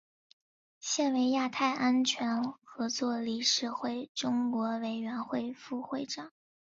现为亚太安全合作理事会中国委员会副会长。